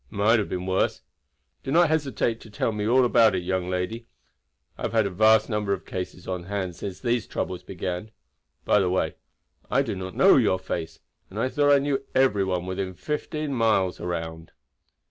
"It might have been worse. Do not hesitate to tell me all about it, young lady. I have had a vast number of cases on hand since these troubles began. By the way, I do not know your face, and I thought I knew every one within fifteen miles around."